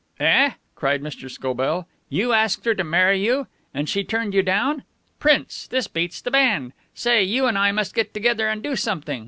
"Eh?" cried Mr. Scobell. "You asked her to marry you? And she turned you down! Prince, this beats the band. Say, you and I must get together and do something.